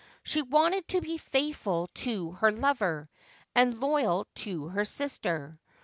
She wanted to be faithful to her lover, and loyal to her sister.